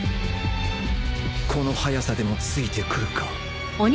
この速さでもついてくるか